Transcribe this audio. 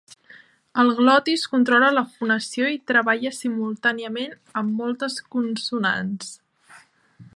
El glotis controla la fonació i treballa simultàniament amb moltes consonants.